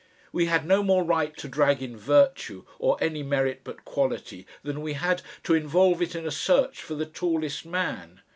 We had no more right to drag in virtue, or any merit but quality, than we had to involve it in a search for the tallest man.